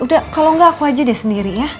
udah kalau enggak aku aja deh sendiri ya